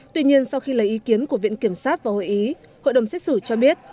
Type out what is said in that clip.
tuy nhiên sau khi lấy ý kiến của viện kiểm sát và hội ý hội đồng xét xử cho biết